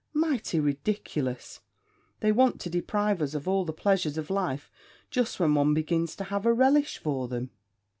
Mighty ridiculous! they want to deprive us of all the pleasures of life, just when one begins to have a relish for them.'